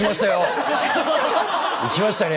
行きましたね！